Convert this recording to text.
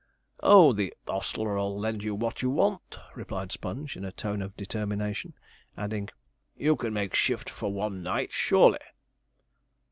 'Oh, the ostler'll lend you what you want,' replied Sponge, in a tone of determination, adding, 'you can make shift for one night surely?'